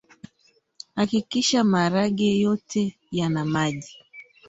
hakikisha maharage yote yana maji